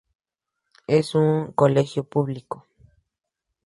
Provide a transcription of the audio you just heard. Es un colegio público.